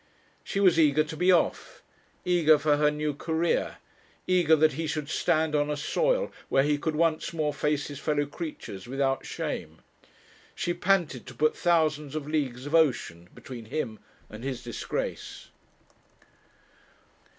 She was eager to be off, eager for her new career, eager that he should stand on a soil where he could once more face his fellow creatures without shame. She panted to put thousands of leagues of ocean between him and his disgrace.